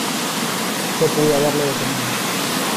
Yo pude haberlo detenido.